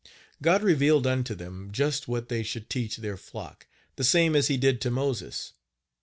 God revealed unto them just what they should teach their flock, the same as he did to Moses.